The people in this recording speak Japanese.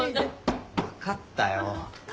分かったよ。